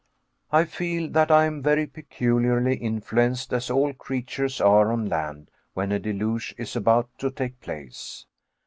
I feel that I am very peculiarly influenced, as all creatures are on land when a deluge is about to take place.